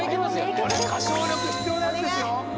これ歌唱力必要なやつですよ